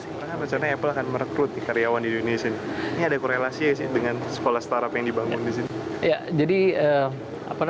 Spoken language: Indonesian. sekarang rencana apple akan merekrut karyawan di indonesia ini ada korelasi dengan sekolah startup yang dibangun di sini